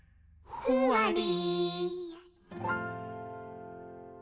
「ふわり」